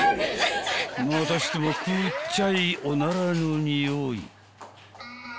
［またしてもくっちゃいおならの臭い］